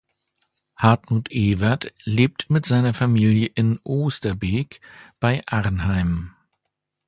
Hartmut Ewert lebt mit seiner Familie in Oosterbeek bei Arnheim.